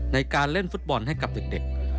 ในการเล่นฟุตบอลให้กับเด็ก